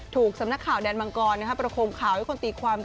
สำนักข่าวแดนมังกรประคมข่าวให้คนตีความ